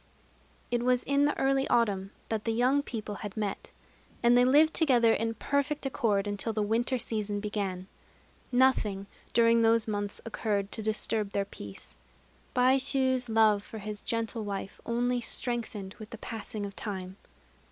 It was in the early autumn that the young people had met; and they lived together in perfect accord until the winter season began. Nothing, during those months, occurred to disturb their peace. Baishû's love for his gentle wife only strengthened with the passing of time.